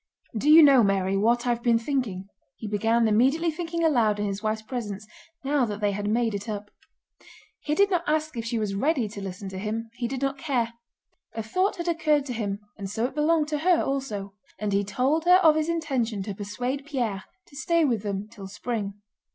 "Do you know, Mary, what I've been thinking?" he began, immediately thinking aloud in his wife's presence now that they had made it up. He did not ask if she was ready to listen to him. He did not care. A thought had occurred to him and so it belonged to her also. And he told her of his intention to persuade Pierre to stay with them till spring.